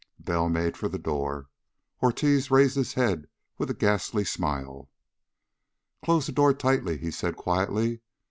Bell made for the door. Ortiz raised his head with a ghastly smile. "Close the door tightly," he said quietly.